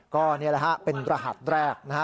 ก็นี่แหละฮะเป็นรหัสแรกนะฮะ